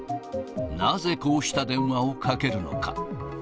なぜこうした電話をかけるのか。